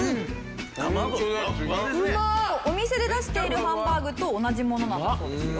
お店で出しているハンバーグと同じものなんだそうですよ。